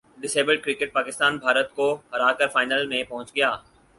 ڈس abled cricket Pakistan Bharat کو ہراکر final میں پہنچ گیا